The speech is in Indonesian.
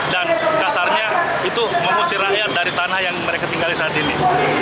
dan kasarnya itu mengusir rakyat dari tanah yang mereka tinggalin saat ini